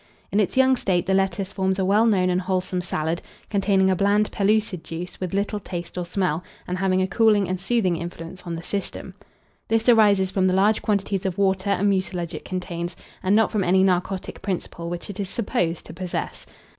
In its young state, the lettuce forms a well known and wholesome salad, containing a bland pellucid juice, with little taste or smell, and having a cooling and soothing influence on the system. This arises from the large quantities of water and mucilage it contains, and not from any narcotic principle which it is supposed to possess.